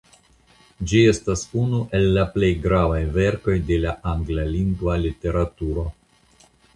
Ĝi estas unu el la plej gravaj verkoj de la anglalingva literaturo.